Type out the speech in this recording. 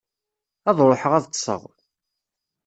Ad ruḥeɣ ad ṭṭseɣ.